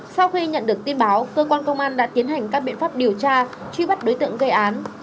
sau khi nhận được tin báo cơ quan công an đã tiến hành các biện pháp điều tra truy bắt đối tượng gây án